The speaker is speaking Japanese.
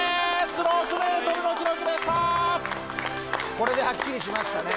これではっきりしましたね。